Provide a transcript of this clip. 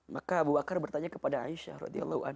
maka abu akar bertanya kepada aisyah ra